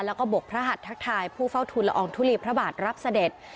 แล้วก็บกพระหัสทักทายผู้เฝ้าทุนละอองทุลีพระบาทรับเสด็จ